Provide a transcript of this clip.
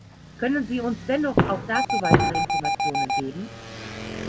Können Sie uns dennoch auch dazu weitere Informationen geben?